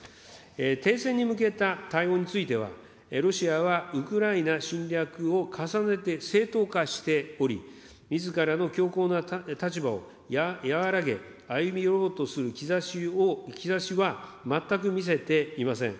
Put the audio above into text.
停戦に向けた対応については、ロシアは、ウクライナ侵略を重ねて正当化しており、みずからの強硬な立場を和らげ、歩み寄ろうとする兆しは全く見せていません。